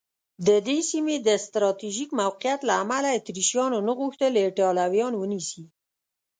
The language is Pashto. د دې سیمې د سټراټېژیک موقعیت له امله اتریشیانو نه غوښتل ایټالویان ونیسي.